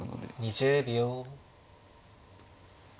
２０秒。